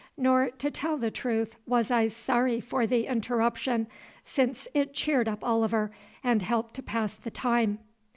Nor, to tell the truth, was I sorry for the interruption, since it cheered up Oliver and helped to pass the time.